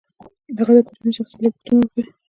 هغه د کورنۍ شخصي لګښتونه ورکوي